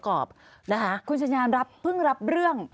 คุณสัญญาณรับเพิ่งรับเรื่อง